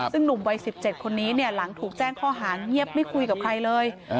ซึ่งหนุ่มวัย๑๗คนนี้หลังถูกแจ้งข้อหาเงียบไม่คุยกับใครเลย